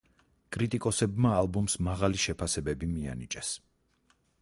კრიტიკოსებმა ალბომს მაღალი შეფასებები მიანიჭეს.